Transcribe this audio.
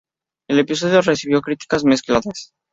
El episodio recibió críticas mezcladas.